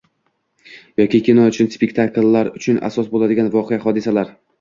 Yoki kino uchun, spektakllar uchun asos boʻladigan voqea-hodisalar.